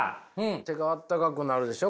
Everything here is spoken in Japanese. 手があったかくなるでしょ